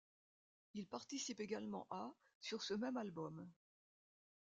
Il participe également à ' sur ce même album.